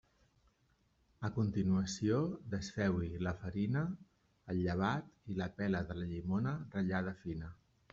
A continuació, desfeu-hi la farina, el llevat i la pela de la llimona ratllada fina.